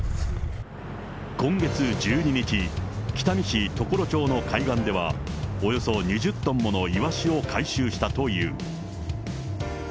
今月１２日、北見市常呂町の海岸では、およそ２０トンものイワシを回収したという。